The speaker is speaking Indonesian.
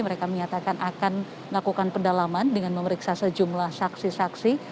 mereka menyatakan akan melakukan pendalaman dengan memeriksa sejumlah saksi saksi